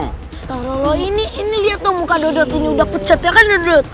astagfirullahaladzim ini lihat tuh muka dodot ini udah pecat ya kan dodot